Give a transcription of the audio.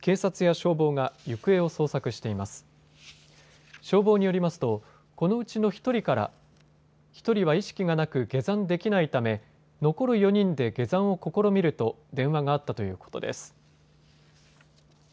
消防によりますとこのうちの１人から１人は意識がなく下山できないため残る４人で下山を試みると電話があったということです。